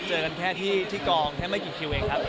เจอกันแค่ที่กองแค่ไม่กี่คิวเองครับ